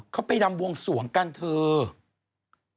เขาไปรำวงสวงกันเถอะ